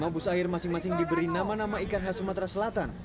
lima bus air masing masing diberi nama nama ikan khas sumatera selatan